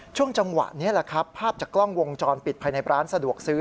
จังหวะนี้แหละครับภาพจากกล้องวงจรปิดภายในร้านสะดวกซื้อ